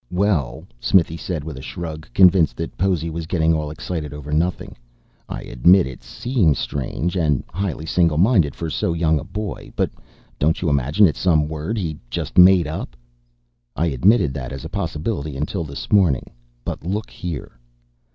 "Well," Smithy said with a shrug, convinced that Possy was getting all excited over nothing, "I admit it seems strange and highly single minded for so young a boy. But don't you imagine it's some word he just made up?" "I admitted that as a possibility until this morning. But look here."